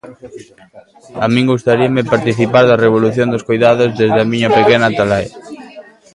A min gustaríame participar da revolución dos coidados desde a miña pequena atalaia.